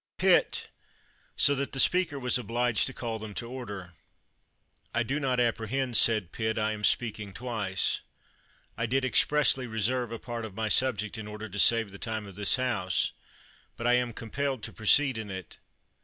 Pitt! so that the speaker was obliged to call them to order.] I do not apprehend [said Pitt] I am speaking twice. I did expressly reserve a part of my subject, in order to save the time of this House ; but I am compelled to proceed in it.